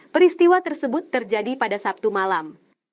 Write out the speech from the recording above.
peristiwa tersebut terjadi pada sabtu malam